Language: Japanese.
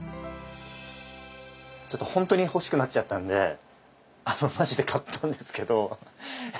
ちょっと本当に欲しくなっちゃったんであのまじで買ったんですけど。